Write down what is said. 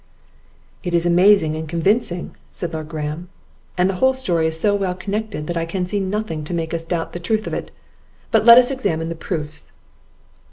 "It is amazing and convincing," said Lord Graham; "and the whole story is so well connected, that I can see nothing to make us doubt the truth of it; but let us examine the proofs."